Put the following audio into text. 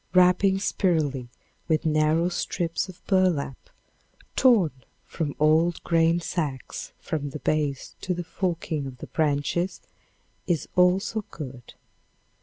Wrapping spirally with narrow strips of burlap, torn from old grain sacks, from the base to the forking of the branches, is also good.